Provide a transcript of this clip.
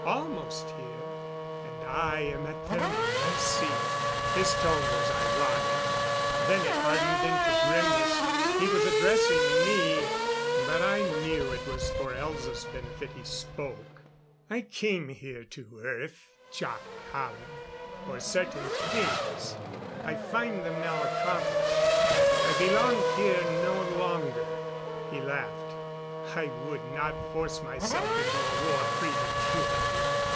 Almost here. And I am at their mercy." His tone was ironic; then it hardened into grimness. He was addressing me, but I knew it was for Elza's benefit he spoke. "I came here to Earth, Jac Hallen, for certain things. I find them now accomplished. I belong here no longer." He laughed. "I would not force myself into a war prematurely.